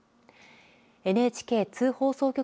ＮＨＫ津放送局